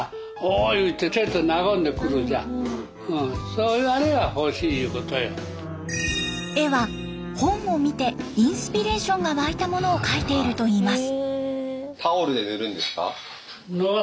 １０年前に絵は本を見てインスピレーションが湧いたものを描いているといいます。